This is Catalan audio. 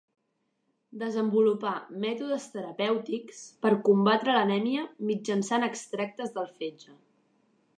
Desenvolupà mètodes terapèutics per combatre l'anèmia mitjançant extractes del fetge.